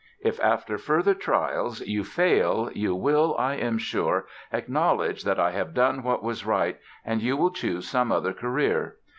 If after further trials you fail you will, I am sure, acknowledge that I have done what was right, and you will choose some other career.